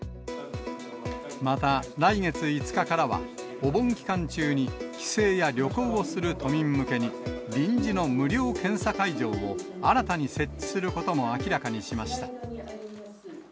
また、来月５日からは、お盆期間中に帰省や旅行をする都民向けに、臨時の無料検査会場を新たに設置することも明らかにしました。